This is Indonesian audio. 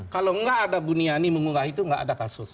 kalau nggak ada buniani mengunggah itu nggak ada kasus